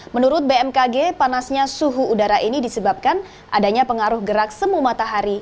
menurut bmkg panasnya suhu udara ini disebabkan adanya pengaruh gerak semu matahari